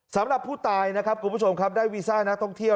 สำหรับผู้ตายนะครับคุณผู้ชมครับได้วีซ่านักท่องเที่ยว